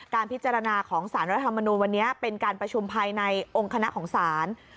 การพิจารณาของสารรัฐมนูลวันนี้เป็นการประชุมภายในองค์คณะของศาล